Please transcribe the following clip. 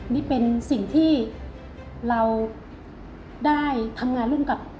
นี่เป็นสิ่งที่เราได้ทำงานร่วมกับ